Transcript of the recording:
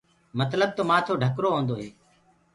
متلب تو مآٿو ڍڪرو هوندو هي۔